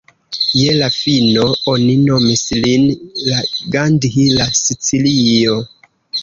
Je la fino, oni nomis lin la "Gandhi de Sicilio".